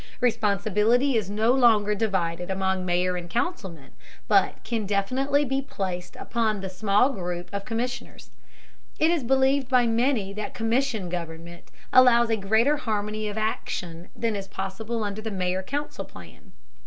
Responsibility is no longer divided among mayor and councilmen, but can be definitely placed upon the small group of commissioners. It is believed by many that commission government allows a greater harmony of action than is possible under the mayor council plan.